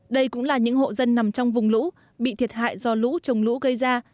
đây cũng là những hộ dân nằm trong vùng lũ bị thiệt hại do lũ trồng lũ gây ra